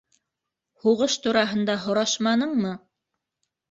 — Һуғыш тураһында һорашманыңмы?